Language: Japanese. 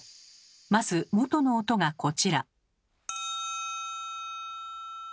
まず元の音がこちら。